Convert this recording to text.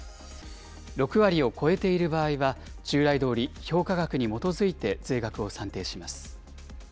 ６割を超えている場合は、従来どおり評価額に基づいて税額を算定します。